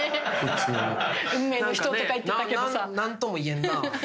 何とも言えんなぁ。